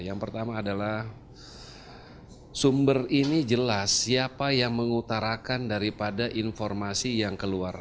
yang pertama adalah sumber ini jelas siapa yang mengutarakan daripada informasi yang keluar